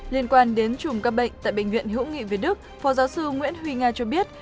liên quan đến chùm các bệnh tại bệnh viện hữu nghị việt đức phó giáo sư nguyễn huy nga cho biết